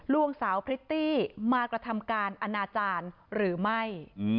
ลวงสาวพฤติมากระทำการณ์อาณาจารย์หรือไม่